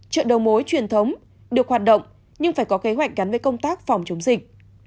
chợ đầu mối truyền thống được hoạt động nhưng phải có kế hoạch gắn với công tác phòng chống dịch